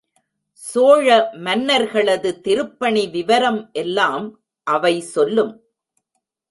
சோழ மன்னர்களது திருப்பணி விவரம் எல்லாம் அவை சொல்லும்.